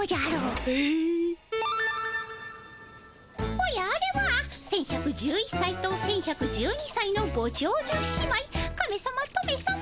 おやあれは１，１１１さいと１，１１２さいのごちょうじゅ姉妹カメさまトメさま。